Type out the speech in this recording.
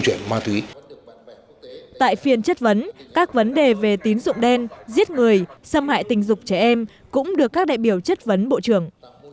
tại phiên chất vấn các vấn đề về tín dụng đen giết người xâm hại tình dục trẻ em cũng được các đại biểu chất vấn bộ trưởng